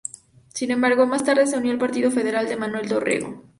Sin embargo, más tarde se unió al partido federal de Manuel Dorrego.